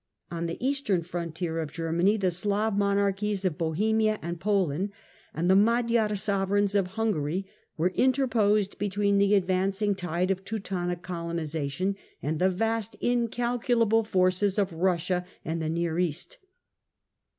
On the eastern frontier of Germany the Slav monarchies of Bohemia and Poland and the Magyar sovereigns of Hungary were interposed between the advancing tide of Teutonic colonization and the vast incalculable forces of Eussia and the "near East."